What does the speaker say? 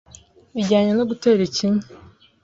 bijyanye no gutera ikinya